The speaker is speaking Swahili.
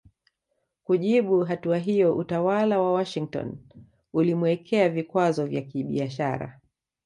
Kujibu hatua hiyo utawala wa Washington ulimuwekea vikwazo vya kibiashara